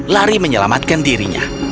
lari menyelamatkan dirinya